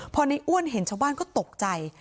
พอในอ้วนเห็นชาวบ้านก็ตกใจ